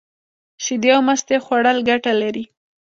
شیدې او مستې خوړل گټه لري.